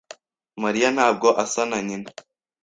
Mariya ntabwo asa na nyina.